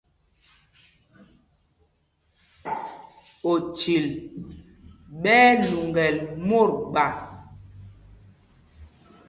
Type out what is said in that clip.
Ochil ɓɛ́ ɛ́ lyuŋgɛl mǒt gba.